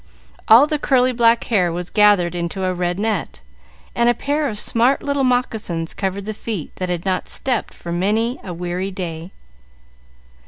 All the curly black hair was gathered into a red net, and a pair of smart little moccasins covered the feet that had not stepped for many a weary day.